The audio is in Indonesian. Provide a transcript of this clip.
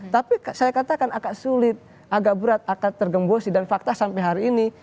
tapi saya katakan agak sulit agak berat akan tergembosi dan fakta sampai hari ini